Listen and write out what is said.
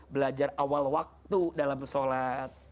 belajar awal waktu dalam sholat